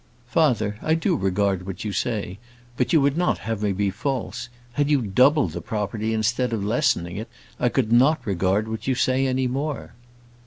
"Father, I do regard what you say; but you would not have me be false. Had you doubled the property instead of lessening it, I could not regard what you say any more."